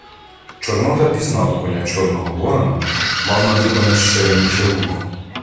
Чорнота пізнав коня Чорного Ворона: мав надрубане ще раніше вухо.